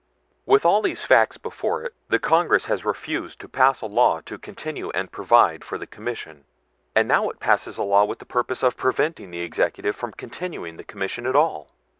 "With all these facts before it, the Congress has refused to pass a law to continue and provide for the commission; and it now passes a law with the purpose of preventing the Executive from continuing the commission at all.